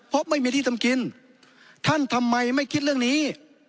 เพราะไม่มีที่ทำกินท่านทำไมไม่คิดเรื่องนี้